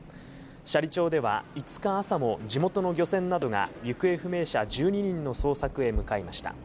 斜里町では５日朝も地元の漁船などが行方不明者１２人の捜索へ向かいました。